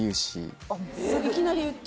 いきなり言って？